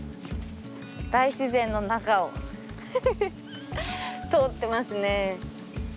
大自然の中を通ってますね。